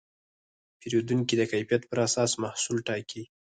پیرودونکي د کیفیت پر اساس محصول ټاکي.